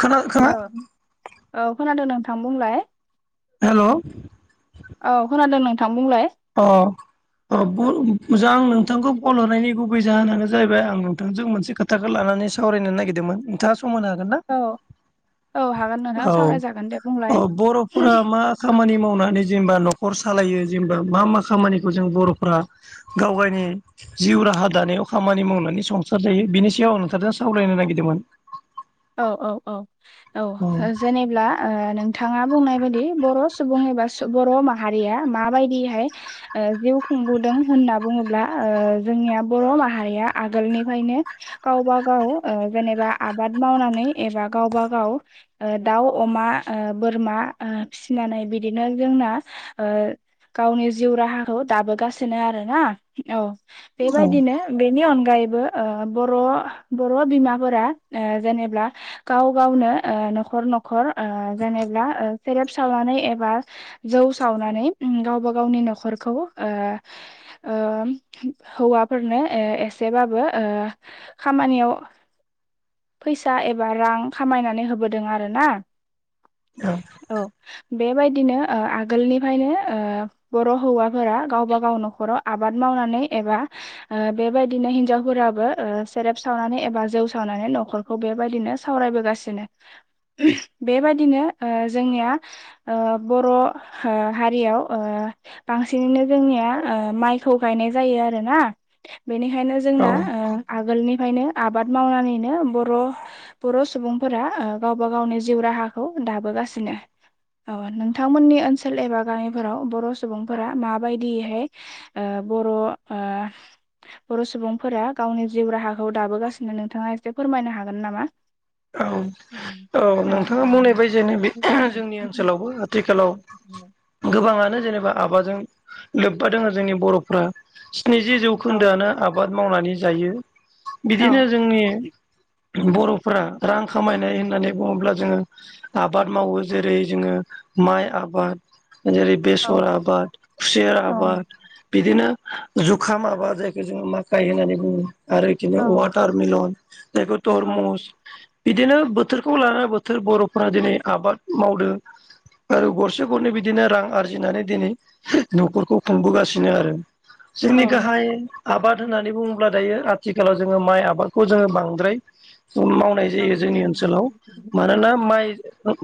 खोनाखोना? Hello औ खोनादों नोंथां बुंलाय। हेलौ औ खोनादों नोंथां बुंलाय अ औ गुबै मोजांं नोंथांखौ कल हरनायनि गुबै जाहोनानो जाहैबाय आं नोंथांजों मोनसे खोथाखो ला- नानै सावरायनो नागिरदोंमोन नोंथाङा सम होनो हागोन ना? औ औ हागोन नोंथां औ सावरायजागोन दे औ बुंलाय बर'फोरा मा खामानि मावनानै जेनबा न- खर सालायो जेनबा मा मा खामानिखौ जों बर'फ्रा गाव गावनि जिउ राहा दानायाव खामानि मावनानै संसार जायो बिनि सायाव नोंथांजों सावरायनो नागिरदोंमोन। औ औ औ औ हो जेनेब्ला ओ नोंथाङा बुंनाय बादि बर' सुबुं एबा सु बर' माहारिया माबायदिहाय ओ जिउ खुंबोदों होनना बुङोब्ला ओ जोंनिया बर' माहारिया आगोलनिफ्रायनो गावबा गाव ओ जेनेबा आबाद मावनानै एबा गावबा गाव ओ दाउ, अमा, ओ बोरमा ओ फिसिनानै बिदिनो जोंना ओ गावनि जिउ राहाखौ दाबोगासिनो आरो ना। औ औ बेबायदिनो बेनि अनगायैबो ओ बर' बर' बिमाफोरा ओ जेनेब्ला गाव गावनो ओ न'खर न'खर ओ जेनेब्ला ओ सेरेब सावनानै एबा जौ सावनानै ओम गावबा गावनि न'खरखौ ओ ओ हौवाफोरनो ओ एसेबाबो ओ खामानियाव [inaudible] फैसा एबा रां खामायनानै होबोदों आरो ना, औ बेबायदिनो ओ आगोलनिफ्रायनो ओ बर' हौवाफोरा गावबा गाव न'खराव आबाद माव नानै एबा ओ बेबायदिनो हिनजावफोराबो ओ सेरेब सावनानै एबा जौ सावनानै न' खरखौ बेबायदिनो सावरायबोगासिनो। बेबाददिनो ओ जोंनिया ओ बर' ओ हारियाव ओ बांसिननो जोंनिया ओ माइखौ गायनाय जायो आरो ना बेनिखायनो औ जोंना ओ आगोलनिफ्रायनो आबाद मावनानैनो अह बर' सुबुंफोरा ओ गावबा गावनि जिउ राहाखौ दाबोगासिनो। औ नोंथांमोननि ओनसोल एबा गामिफोराव बर' सुबुंफोरा माबायदियैहाय ओ बर' ओ बर' सुबुंफोरा गावनि जिउ राहाखौ दाबोगासिनो नोंथाङा एसे फोरमायनो हागोन नामा? औ औ नोंथाङा बुंनाय बायदिनो बे जोंनि ओनसोलावबो आथिखालाव गोबाङानो जेनेबा आबादजों लोब्बा दङ जोंनि बर'फोरा। स्निजि औ जौखोन्दोआनो आबाद मावनानै जायो। औ बिदिनो जोंनि बर' फोरा रां खामायनाय होननानै बुङोब्ला जोङो आबाद मावो जेरै जोङो माइ आ बाद आरो ओरै औ बेसर आबाद, खुसेर औ आबाद बिदिनो जुखाम आबाद जायखौ जोङो माखाइ होननानै बुङो आरो औ बिदिनो वाटार मिलन बेखौ औ तरमुस बिदिनो बोथोरखौ लानानै बोथोर बर'फोरा दिनै आबाद मावदों आरो गरसे गरनै बिदिनो रां आरजिनानै दिनै न'खरखौ खुंबोगासिनो आरो। औ जोंनि गाहाइ आबाद होननानै बुङोब्ला दायो आथिखालाव जोङो माइ आबादखौ जोङो बांद्राय माव नाय औ जायो जोंनि ओनसोलाव मानोना माइ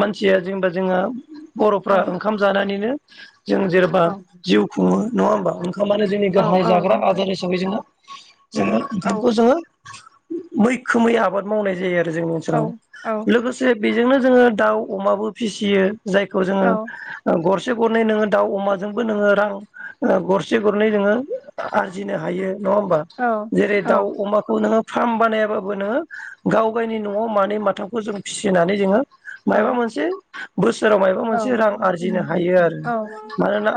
मानसिया जेनेबा जोंहा बर'फ्रा ओंखाम जानानैनो जों जेनेबा जिउ खुङो नङा होमबा? ओंखामानो जोंनि गाहाइ औ जाग्रा नंगौ आदार हिसाबै जोङो जोङो औ ओंखामखौ जोङो मैखोमै आबाद मावनाय जायो जोंनि औ ओनसोलाव। औ लोगोसे बेजोंनो जोङो दाउ अमाबो फिसियो जायखौ जोङो गर से गरनै नोङो दाउ अमाजोंबो नोङो रां गरसे गरनै नोङो आरजिनो हायो। नङा होमबा जेरै दाउ अमाखौ नोङो फार्म बानायाबाबो नोङो गाव गावनि न'आव मानै माथामखौ जों फिसिनानै जोङो औ माबा मोनसे बो सोराव माबा मोनसे रां नंगौ औ आरजिनो हायो औ आरो। मानोना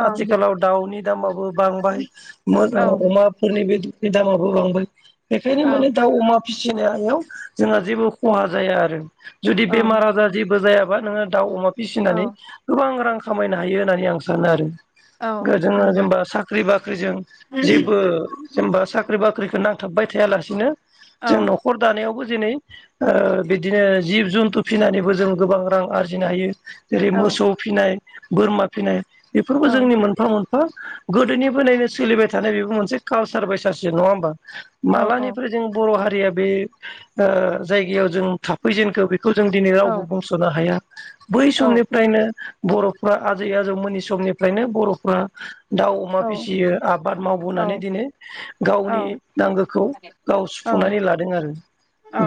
औ आथिखालाव दाउनि दामाबो औ बांबाय। औ अमा औ जाबाबो [unintelligible] बे दामाबो बांबाय बेखायनो माने दाउ अमा फिसिनायाव जोंहा जेबो खहा जाया आरो जुदि बेमार आजार जेबो जायाबा नोङो दाउ अमा फिसिनानै गोबां रां खामायनो हायो होननानै आं सानो आरो। जोङो जेनेबा साख्रि बाख्रिजों जेबो जेनेबा साख्रि बाख्रिखौ नांथाबबाय थायालासिनो जों न'खर दानायावबो दिनै ओ बिदिनो जिब जन्थु फिनानैबो जों गोबां रां आरजिनो हायो जेरै मोसौ फिनाय, बोरमा फिनाय बेफोरबो जोंनि मोनफा मोन फा गोदोनिफ्रायनो सोलिबाय थानाय बेबो मोनसे कालसार बायसासो नङा होमबा? मालानिफ्राय जों बर' हारिया बे ओ जायगायाव जों थाफैजेनखौ बे खौ जों दिनै रावबो बुंस'नो हाया। बै समनिफ्रायनो बर'फ्रा आजै आजौमोननि समनिफ्रायनो बर'फ्रा दाउ अमा फिसियो, आबाद मावबोनानै दिनै गावनि नांगौखौ गाव सु फुंनानै लादों आरो।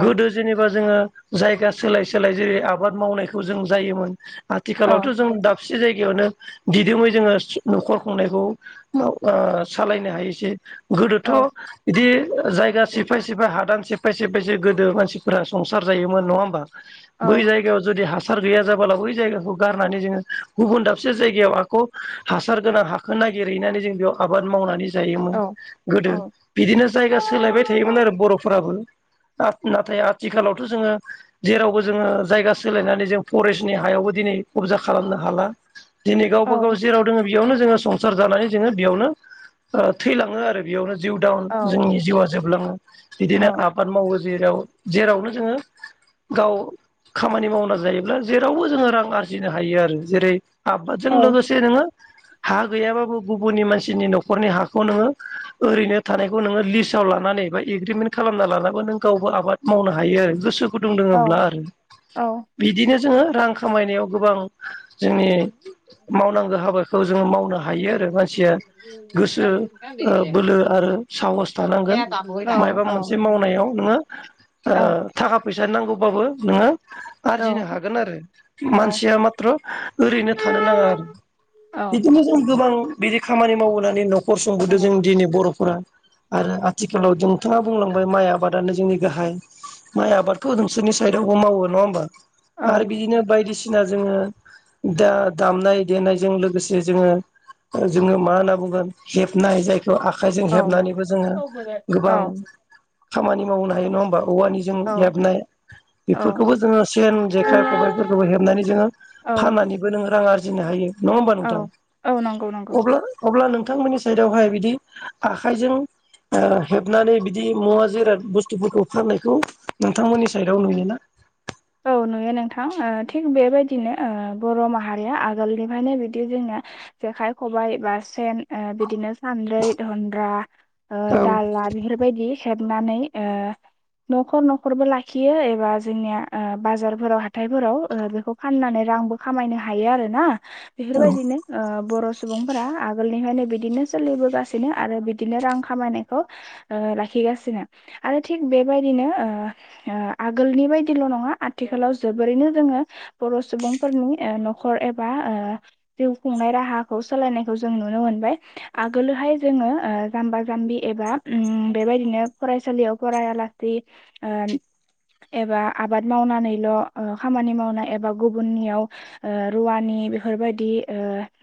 गोदो जेनेबा जोङो जायगा सोलाय सोलाय जेरै आबाद मावनायखौ जों जायोमोन आथिखालावथ' जों दाबसे जायगायावनो दिदोमै जोङो स-न'खर खुंनायखौ न अ सालायनो हायोसे गोदोथ' बिदि जायगा सिफाय सिफाय हादान सेफाय सेफाय जे गोदो मानसिफोरा संसार जायोमोन नङा होमबा बै जायगायाव जुदि हास सार गैया जाबला बै जायगाखौ गारनानै जोङो गुबुन दाबसे जायगायाव आख' हाखौ हासार गोनां हाखोना नागिरहैनानै जों बेयाव आबाद मावनानै औ जायोमोन औ गोदो बिदिनो औ जायगा सोलायबाय थायोमोन आरो बर'फोराबो आथ नाथाय आथिखालावथ' जोङो जेरावबो जोङो जायगा सोलायनानै जों फरेस्टनि हायावबो दिनै [unintelligible] खालामनो हाला दिनै औ गावबा गाव जेराव दङ बेयावनो जोङो संसार जानानै जोङो बेयावनो ओ थैलाङो आरो बेयावनो जिउ दाउन औ जोंनि जिउआ जोबलाङो औ बिदिनो आबाद मावो जेराव जेरावनो जोङो गाव खामानि मावना जायोब्ला जेरावबो जोङो रां आरजिनो हायो आरो जेरै- आबादजों औ लोगोसे नोङो [inaudible] हा गैयाबाबो गुबुननि मानसिनि न'खरनि हाखौ नोङो ओरैनो थानायखौ नोङो लिस्टाव लानानै बायदि एग्रिमेन्ट खालामना लानाबो नों गावबो आबाद मावनो हायो आरो गोसो गुदुं दोङोब्ला औ आरो औ बिदिनो जोङो रां खामायनायाव गोबां जोंनि मावनांगौ हाबाखौ जोङो मावनो हायो आरो मानसिया गोसो ओ बोलो आरो साहस थानांगोन मायबा मोनसे मावनायाव नोङो ओ थाखा फैसा नांगौबाबो नोङो आरजिनो औ हागोन आरो औ मानसिया माथ्र ओरैनो थानो नाङा आरो औ औ बिदिनो जों गोबां बिदि खामानि मावोनानै न'खर औ संबोदों जों दिनै बर'फोरा आरो आथिखालाव नोंथाङा बुंलांबाय माइ आबाद दानो जोंनि गाहाय माइ आबादखौ नोंसोरनि साइदआवबो मावो नङा होमबा आरो औ बिदिनो बायदिसिना जोङो दा दामनाय देनायजों लोगोसे जोङो जोङो मा होनना बुंगोन हेबनाय जाय खौ आखाइजों औ हेबनानैबो जोङो गोबां खामानि मावनो हायो नङा होमबा औवानि जों हेबनाय बेफोरखौबो जोङो सेन जेखाइ खबायफोरखौ हेबनानै जोङो औ फाननानैबो नों रां आरजिनो हायो। नङा होमबा नोंथां औ औ नंगौ नंगौ अब्ला अब्ला नों थांमोननि साइदहाय बिदि आखाइजों ओ हेबनानै बिदि मुवा जिराद बुस्थुफोरखौ फाननायखौ नोंथांमोननि साइदआव नुयोना औ नुयो नोंथां ओ थिग बेबायदिनो ओ बर' माहारिया आगोलनिफ्रायनो बिदि जेंना जेखाय खबाय बा सेन ओ बिदिनो सानद्रै दनग्रा ओ औ दाला बेफोरबायदि हेब नानै ओ न'खर न'खरबो लाखियो एबा जोंनिया ओ बाजारफोराव हाथायफोराव ओ बेखौ फाननानै रांबो खामायनो हायो आरो ना औ बेफोरबायदिनो ओ बर' सु सुबुंफोरा आगोलनिफ्रायनो बिदिनो सोलिबोगासिनो आरो बिदिनो रां खामायनायखौ ओ लाखि गासिनो आरो थिख बेबायदिनो ओ ओ आगोलनि बाय दिल' नङा आथिखालाव जोबोरैनो जोङो बर' सुबुंफोरनि ओ न'खर एबा ओ जिउ खुंनाय राहाखौ सोलायनायखौ जों नुनो मोनबाय आगोलोहाय जोङो ओ जाम्बा जाम्बि एब एबा उम बेबायदिनो फरायसालियाव फरायलासि ओ एबा आबाद मावनानैल'ओ खामानि मावनाय एबा गुबुननियाव ओ रुवानि बेफोरबायदि ओ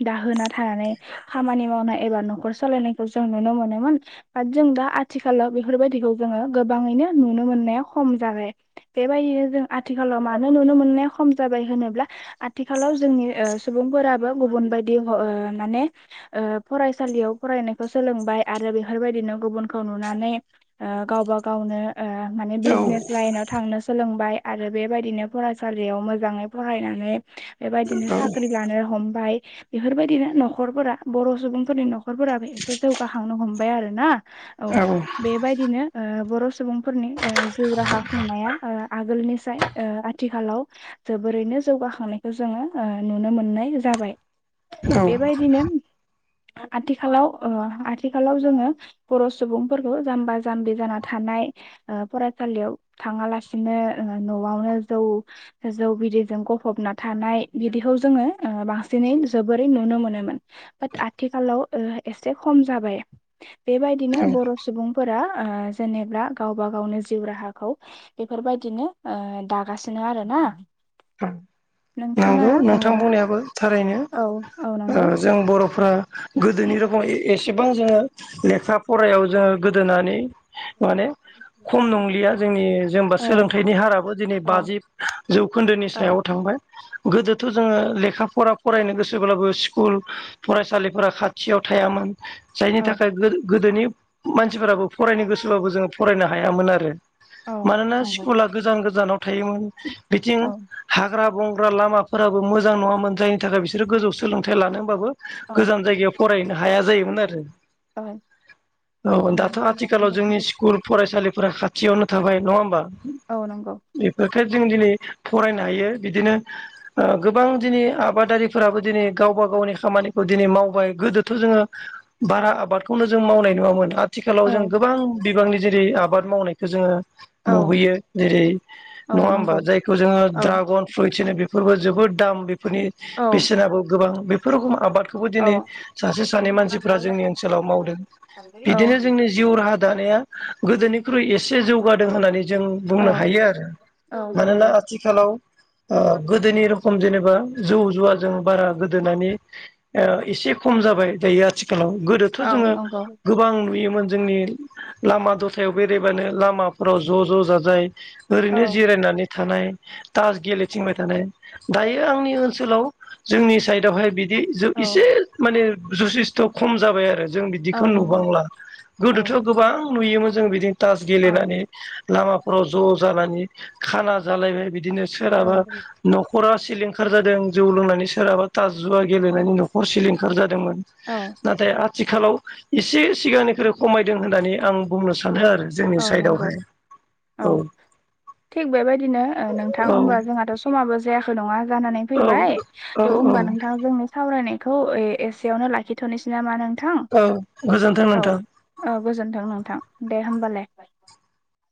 दाहोना थानानै खामानि मावनाय एबा न'खर सालायनायखौ जों नुनो मोनोमोन बाट जों दा आथिखालाव बेफोरबायदिखौ जोङो गोबाङैनो नुनो मोननाया खम जाबाय बेबायदिनो जों आथिखालाव मानो नुनो मोननाया खम जाबाय होनोब्ला आथिखालाव जोंनि ओ सुबुं फोराबो गुबुन बायदि ओ माने ओ फरायसालियाव फरायनायखौ सोलोंबाय आरो बेवहाय बेबायदिनो गुबुनखौ नुनानै ओ गाव गावनो ओ माने औ बिजनेस लाइनाव थांनो सोलोंबाय आरो बेबायदिनो फरायसालियाव मोजाङै फरायनानै बेबायदिनो साख्रि लानो हमबाय बेफोरबायदिनो न'खरफोरा बर' सुबुंफोरनि न'खरफोराबो एसे जौगाखांनो हमबाय आरो ना औ बेबायदिनो ओ बर' सुबुंफोरनि ओ जिउ राहा खुंनाया ओ आगोलनिसाय ओ आथिखालाव जोबोरैनो जौगाखांनायखौ जोङो ओ नुनो मोननाय जाबाय बेबायदिनो आथिखालाव ओ आथिखालाव जोङो बर' सुबुंफोरखौ जाम्बा जाम्बि जाना था नाय ओ फरायसालियाव थाङालासे बिदिनो न'आवनो जौ जौ बिदैजों गफबना थानाय बिदिखौ जोङो बांसिनै जोबोरै नुनो मोनोमोन बाट आथिखालाव ओ एसे खम जाबाय बेबायदिनो बर' सुबुंफोरा ओ जेनेबा गावबा गावनो जिउ राहाखौ बेफोरबायदिनो ओ दागासिनो आरो ना औ नोंथाङा नंगौ नोंथां बुंनायाबो थारैनो ओ औ औ नोंगौ ओ जों बर'फ्रा गोदोनि रखम एसेबां जोङो लेखा फरायाव जोङो गोदोनानै माने [inaudible] खम नंलिया जोंनि जेनेबा औ सोलोंथाइनि हाराबो दिनै औ बाजि जौखोन्दोनि औ सायाव थांबाय गोदोथ' जोङो लेखा फरा फरायनो गोसोब्लाबो स्कुल फरायसालिफोरा खाथियाव थायामोन जायनि औ थाखाय गो गोदोनि मानसिफोराबो फरायनो गोसोबाबो जोङो फरायनो हायामोन आरो औ मानोना नंगौ स्कुला गोजान गोजानाव थायोमोन बिथिं औ हाग्रा बं ग्रा लामाफोराबो मोजां नङामोन जायनि थाखाय बिसोरो गोजौ सोलोंथाइ लानो होनबाबो औ गोजान जायगायाव फरायनो हाया जायोमोन आरो औ औ दाथ' आथिखालाव नंगौ जोंनि स्कुल फरायसालिफोरा खाथ थियावनो थाबाय नङा होमबा औ नंगौ जोङो दिनै फरायनो हायो बिदिनो अ गोबां दिनै आबादारिफोराबो दिनै गावबा गावनि खामानिखौ दिनै मावबाय गोदोथ' जों ओ बारा आबादखौनो जों मावनाय नुवामोन आथिखालाव औ जों गोबां बिबांनि जेरै आबाद मावनायखौ जोङो औ मुगैहयो जेरै औ नङा होमबा नंगौ जायखौ जोङो औ ड्रागन फ्रुइट होनो बेफोरबो जोबोद दाम बेफोरनि औ बेसेनाबो गोबां बेफोर खो आबाद खौबो औ दिनै सासे सानै मानसिफ्रा जोंनि ओनसोलाव मावदों बिदिनो जोंनि जिउ राहा दानाया गोदोनिख्रुइ एसे जौगादों होननानै जों बुंनो हायो आरो औ मानोना नंगौ आथिखालाव अ गोदोनि रोखम जेनेबा जौ जुवाजों बारा गोदो नानै अ एसे खम जाबाय दायो आथि खालाव गोदोथ' औ जोङो नंगौ गोबां नुयोमोन जोंनि लामा दथायाव बेरायबानो लामाफोराव ज' ज' जाजाय औ ओरैनो जिरायनानै थानाय तास गेले थिंबाय थानाय दायो आंनि ओनसोलाव जोंनि साइडआवहाय बि दि जु औ एसे माने जुसिस्थ' खम जाबाय आरो जों बिदिखौ औ नंगौ नुबांला औ गोदोथ' गोबां नुयोमोन जों बिदिनो तास औ गेलेनानै लामाफोराव ज' जानानै खाना जालायबाय बिदिनो औ सोरहाबा न'खरा सिलिंखार जादों जौ लोंनानै सोरहाबा थाज जुवा गेलेनानै न'खर सिलिंखार जादों दोंमोन नाथाय आथिखालाव एसे सिगांनिख्रुइ खमायदों होननानै आं बुंनो सान सानो आरो जोंनि औ नंगौ साइदआवहाय औ थिग बेबायदिनो अ नोंथां औ होमबा जोंहाथ' स समाबो जायाखै नङा जानानै औ फैबाय औ त' औ होमबा नोंथां जोंनि सावरायनाय खौ एसेयावनो लाखिथ'नोसै नामा नों थां औ गोजोन्थों औ नोंथां औ गोजोनथों नोंथां दे होमबालाय।